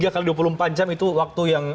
tiga x dua puluh empat jam itu waktu yang